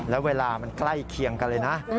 แล้วเวลามันใกล้เคียงกันเลยนะ